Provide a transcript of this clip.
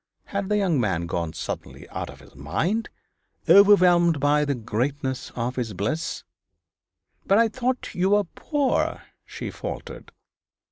Had the young man gone suddenly out of his mind, overwhelmed by the greatness of his bliss? 'But I thought you were poor,' she faltered.